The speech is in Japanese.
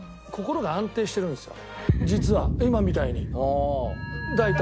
実は今みたいに大体。